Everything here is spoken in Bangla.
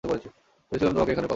ভেবেছিলাম তোমাকে এখানে পাব।